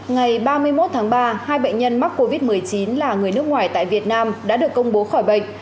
ngày ba mươi một tháng ba hai bệnh nhân mắc covid một mươi chín là người nước ngoài tại việt nam đã được công bố khỏi bệnh